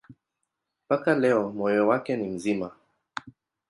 Mpaka leo moyo wake ni mzima.